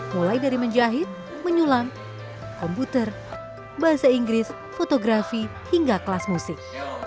mulai dari menjahit menyulam komputer bahasa inggris fotografi hingga kelas musik